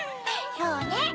そうね。